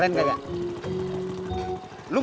iya tidak satu pun celandang